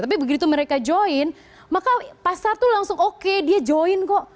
tapi begitu mereka join maka pasar tuh langsung oke dia join kok